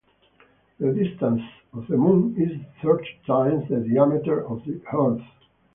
The distance of the moon is thirty times the diameter of the earth.